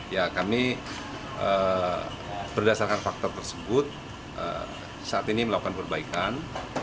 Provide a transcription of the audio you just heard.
ya kami berdasarkan faktor tersebut saat ini melakukan perbaikan